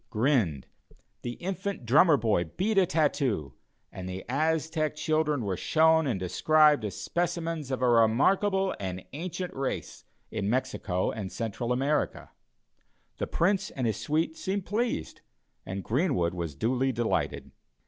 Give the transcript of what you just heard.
grinned; the Infant Drummer boy beat a tattoo; and the Aztec children were shown and described as specimens of a remarkable and ancient race in Mexico and Central America. The Prince and his suite seemed pleased, and Greenwood was duly delighted.